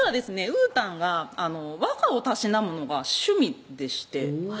うーたんが和歌をたしなむのが趣味でしてうわ